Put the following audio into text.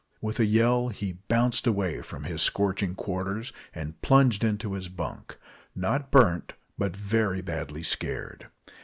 With a yell, he bounced away from his scorching quarters and plunged into his bunk, not burnt, but very badly scared.